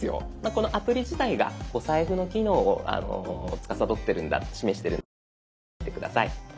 このアプリ自体がお財布の機能をつかさどってるんだ示してるんだっていうふうに考えて下さい。